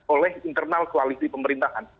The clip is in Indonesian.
oleh internal koalisi pemerintahan